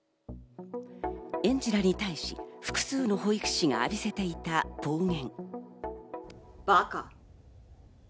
園児らに対し、複数の保育士が浴びせていた暴言。